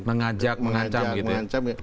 mengajak mengacam gitu ya